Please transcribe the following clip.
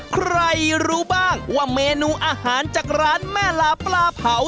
ใครรู้บ้างว่าเมนูอาหารจากร้านแม่ลาปลาเผา